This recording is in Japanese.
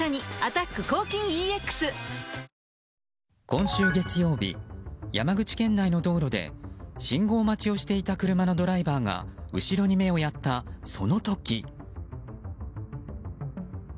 今週月曜日、山口県内の道路で信号待ちをしていた車のドライバーが後ろに目をやったその時。